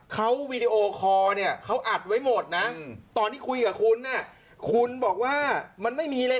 เขาเขาอ่านไว้หมดตอนที่คุยกับคุณนะคุณบอกว่ามันไม่มีอะไร